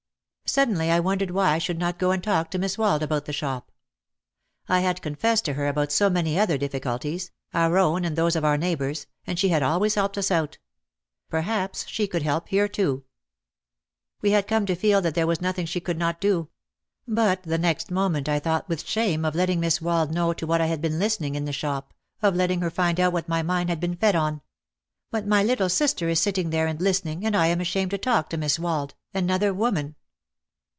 Suddenly I wondered why I should not go and talk to Miss Wald about the shop. I had confessed to her about so many other difficulties, our own and those of our neighbours, and she had always helped us out. Perhaps she could help here too. We had come to feel that there was nothing she could not do. But the next moment I thought with shame of letting Miss Wald know to what I had been listening in the shop, of letting her find out what my mind had been fed on. "But my little sister is sitting there and listening and I am ashamed to talk to Miss Wald — another woman